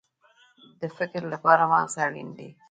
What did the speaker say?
د فکر لپاره مغز اړین دی